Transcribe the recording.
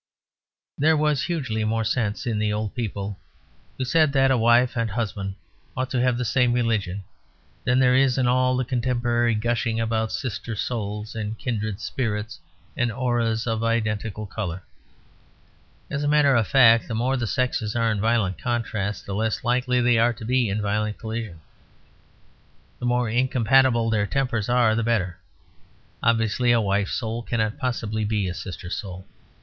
There was hugely more sense in the old people who said that a wife and husband ought to have the same religion than there is in all the contemporary gushing about sister souls and kindred spirits and auras of identical colour. As a matter of fact, the more the sexes are in violent contrast the less likely they are to be in violent collision. The more incompatible their tempers are the better. Obviously a wife's soul cannot possibly be a sister soul.